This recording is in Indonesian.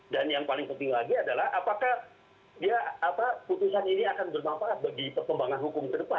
dan yang paling penting lagi adalah apakah putusan ini akan bermanfaat bagi perkembangan hukum ke depan